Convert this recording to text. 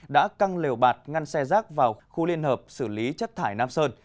đã căng lều bạt ngăn xe rác vào khu liên hợp xử lý chất thải nam sơn